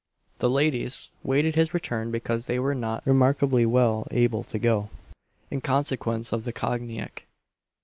The ladies waited his return because they were not remarkably well able to go, in consequence of the cogniac.